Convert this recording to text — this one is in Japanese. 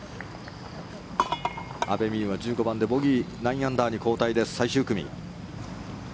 阿部未悠が１５番でボギー９アンダーに後退です、最終組。